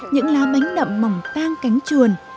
những lá bánh đậm mỏng tang cánh chuồn